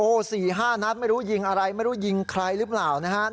โอ้โห๔๕นัดไม่รู้ยิงอะไรไม่รู้ยิงใครหรือเปล่านะครับ